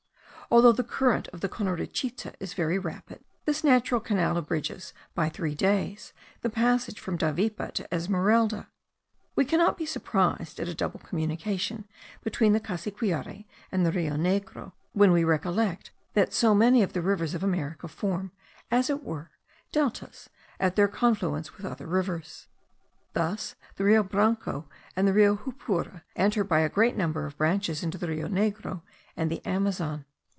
Although the current of the Conorichite is very rapid, this natural canal abridges by three days the passage from Davipe to Esmeralda. We cannot be surprised at a double communication between the Cassiquiare and the Rio Negro when we recollect that so many of the rivers of America form, as it were, deltas at their confluence with other rivers. Thus the Rio Branco and the Rio Jupura enter by a great number of branches into the Rio Negro and the Amazon.